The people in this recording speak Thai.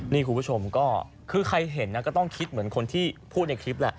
นี่คุณผู้ชมก็คือใครเห็นนะก็ต้องคิดเหมือนคนที่พูดในคลิปแหละ